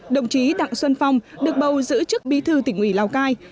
đồng chí đặng xuân phong được bầu giữ chức bí thư tỉnh ủy lào cai